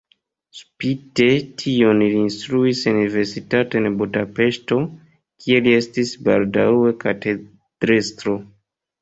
Spite tion li instruis en universitato en Budapeŝto, kie li estis baldaŭe katedrestro.